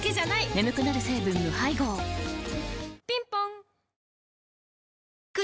眠くなる成分無配合ぴんぽん